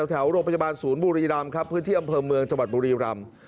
แถวโรงพยาบาลศูนย์บุรีรำครับพื้นที่อำเภอเมืองจังหวัดบุรีรำ